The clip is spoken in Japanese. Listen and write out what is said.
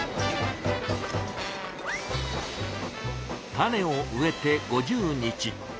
種を植えて５０日。